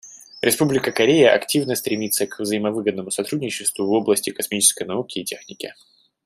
Республика Корея активно стремится к взаимовыгодному сотрудничеству в области космической науки и техники.